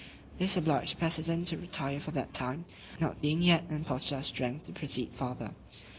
This obliged the president to retire for that time, not being yet in a posture of strength to proceed farther.